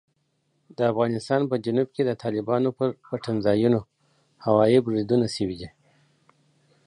د افغانستان په جنوب کې د طالبانو پر پټنځایونو هوايي بریدونه شوي دي.